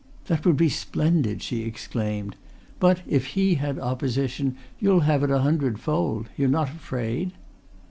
"That would be splendid!" she exclaimed. "But, if he had opposition, you'll have it a hundred fold! You're not afraid?"